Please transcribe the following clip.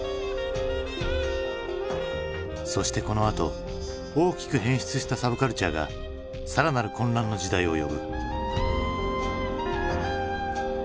そしてこのあと大きく変質したサブカルチャーが更なる混乱の時代を呼ぶ。